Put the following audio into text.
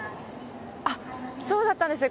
そうだったんですね。